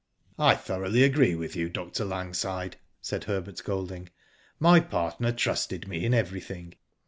" I thoroughly agree with you, Dr. Langside," said Herbert Golding. " My partner trusted me in everything.